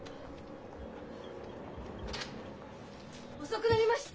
遅くなりました！